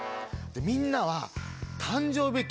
みんなは。